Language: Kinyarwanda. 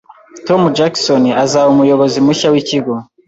Tom Jackson azaba umuyobozi mushya wikigo